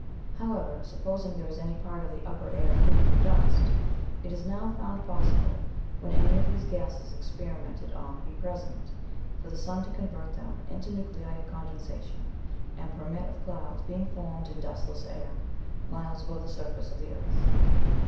However, supposing there is any part of the upper air free from dust, it is now found possible, when any of these gases experimented on be present, for the sun to convert them into nuclei of condensation, and permit of clouds being formed in dustless air, miles above the surface of the earth.